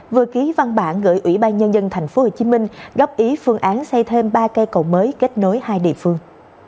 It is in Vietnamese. vừa ký văn bản gửi ủy ban nhân dân tp hcm góp ý phương án xây thêm ba cây cầu mới kết nối hai địa phương